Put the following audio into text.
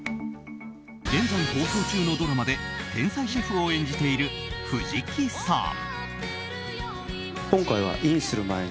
現在放送中のドラマで天才シェフを演じている藤木さん。